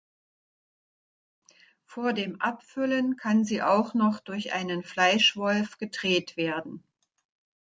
Vor dem Abfüllen kann sie auch noch durch einen Fleischwolf gedreht werden.